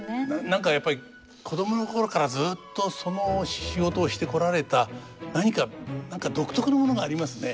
何かやっぱり子供の頃からずっとその仕事をしてこられた何か何か独特のものがありますね。